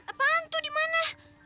apaan tuh dimana